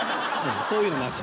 そういうのなし。